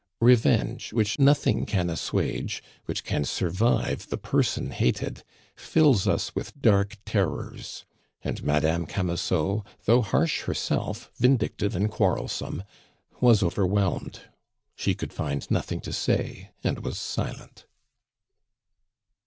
Revenge, which nothing can assuage, which can survive the person hated, fills us with dark terrors. And Madame Camusot, though harsh herself, vindictive, and quarrelsome, was overwhelmed. She could find nothing to say, and was silent.